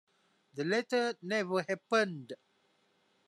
The latter never happened.